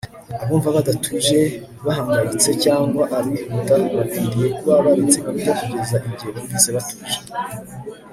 abumva badatuje, abahangayitse, cyangwa abihuta bakwiriye kuba baretse kurya kugeza igihe bumvise batuje